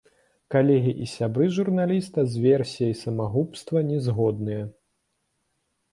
Калегі і сябры журналіста з версіяй самагубства не згодныя.